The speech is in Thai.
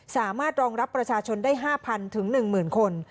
สามารถรองรับประชาชนได้๕๐๐๑๐๐คน